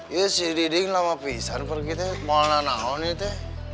iya si diding lama pisah pergi mau anak anak nih